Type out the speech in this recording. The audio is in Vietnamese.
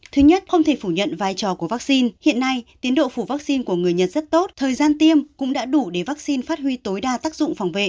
thứ nhất không thể phủ nhận vai trò của vaccine hiện nay tiến độ phủ vaccine của người nhật rất tốt thời gian tiêm cũng đã đủ để vaccine phát huy tối đa tác dụng phòng vệ